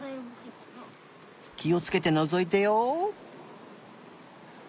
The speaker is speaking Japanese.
きをつけてのぞいてよ。